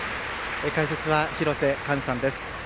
解説は廣瀬寛さんです。